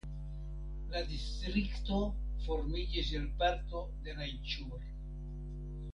La distrikto formiĝis el parto de Rajĉur.